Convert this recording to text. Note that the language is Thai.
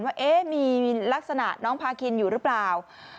ว่ามีลักษณะน้องพาคินอยู่หรือเปล่า